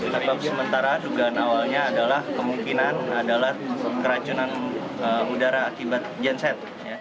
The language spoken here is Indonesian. tapi sementara dugaan awalnya adalah kemungkinan adalah keracunan udara akibat genset